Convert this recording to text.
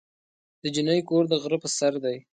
د جینۍ کور د غره په سر دی.